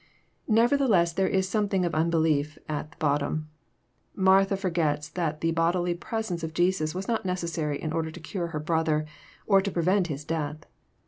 Nevertheless there is something of unbelief at bottom. Martha forgets that the bodily presence of Jesus was not necessary in order to cure her brother, or to prevent his death.